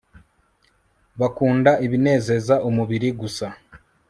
bakunda ibinezeza umubiri gusa